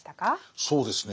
そうですね